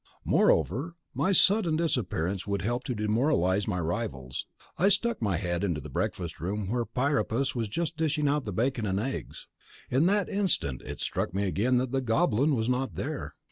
Moreover, my sudden disappearance would help to demoralize my rivals. I stuck my head into the breakfast room where Priapus was just dishing out the bacon and eggs. In that instant it struck me again that the Goblin was not there.